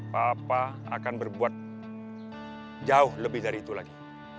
papa akan berbuat jauh lebih dari itu lagi